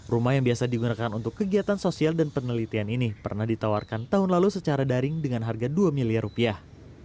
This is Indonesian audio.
rumah yang biasa digunakan untuk kegiatan sosial dan penelitian ini pernah ditawarkan tahun lalu secara daring dengan harga dua miliar rupiah